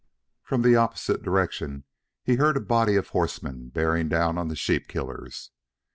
From the opposite direction, he heard a body of horsemen bearing down on the sheep killers.